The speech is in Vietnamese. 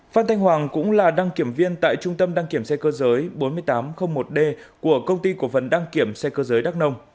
phan thanh hoàng cũng là đăng kiểm viên tại trung tâm đăng kiểm xe cơ giới bốn nghìn tám trăm linh một d của công ty cổ phần đăng kiểm xe cơ giới đắc nông